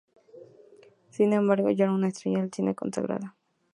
Sin embargo, ya era una estrella del cine consagrada.